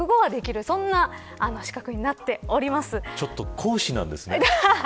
講師なんですね。